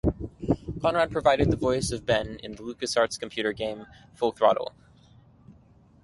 Conrad provided the voice of Ben in the LucasArts computer game "Full Throttle".